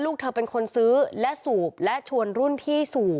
ลูกเธอเป็นคนซื้อและสูบและชวนรุ่นพี่สูบ